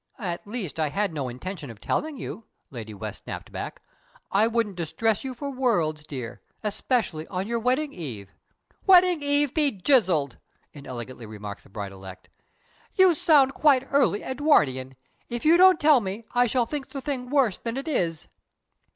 "At least, I had no intention of telling you," Lady West snapped back. "I wouldn't distress you for worlds, dear, especially on your wedding eve." "Wedding eve be 'jizzled!'" inelegantly remarked the bride elect. "You sound quite early Edwardian! If you don't tell me, I shall think the thing worse than it is."